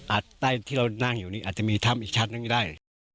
ใต้ที่เรานั่งอยู่นี่อาจจะมีถ้ำอีกชั้นหนึ่งก็ได้